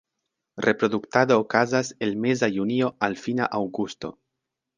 Reproduktado okazas el meza junio al fina aŭgusto.